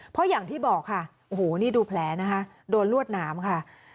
เพราะอย่างที่บอกค่ะโอ้โหนี่ดูแผลนะคะโดนลวดหนามค่ะ